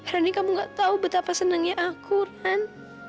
rani kamu gak tau betapa senangnya aku ran